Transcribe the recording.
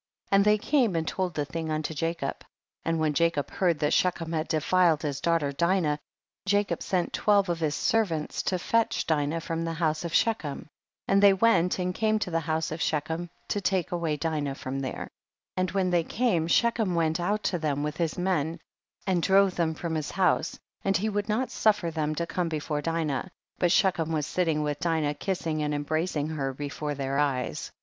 12. And they came and told the thing unto Jacob, and when Jacob heard that Shechem had defiled his daughter Dinah, Jacob sent twelve of his servants to fetch Dinah from the house of Shechem, and they went and came to the house of Shechem to take away Dinah from there. 13. And when they came Shechem went out to them with his men and * Translated in the Bible, " and he defiled her." Genesis, ch. 34, v. 2. THE BOOK OF JASHER. 97 drove them from his house, and he would not suffer them to come before Dinah, but Shechem was silting with Dinah kissing and embracing her before their eves.